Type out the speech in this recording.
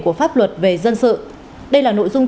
của pháp luật về dân sự đây là nội dung